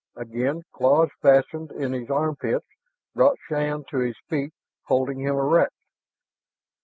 Again claws fastened in his armpits, brought Shann to his feet, holding him erect.